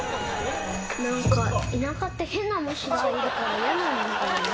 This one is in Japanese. なんか、田舎って変な虫がいるから、嫌なんだよね。